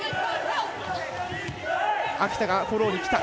秋田がフォローに来た。